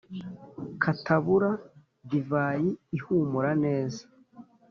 katabura divayi ihumura neza